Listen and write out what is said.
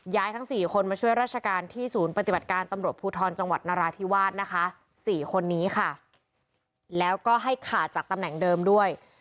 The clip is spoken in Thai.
ทั้ง๔คนมาช่วยราชการที่ศูนย์ปฏิบัติการตำรวจภูทรจังหวัดนราธิวาสนะคะ๔คนนี้ค่ะแล้วก็ให้ขาดจากตำแหน่งเดิมด้วย